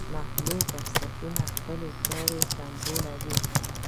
مطلوب بنسټ خپلې چارې سمبالوي.